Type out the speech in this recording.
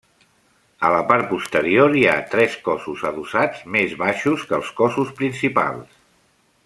A la part posterior hi ha tres cossos adossats més baixos que els cossos principals.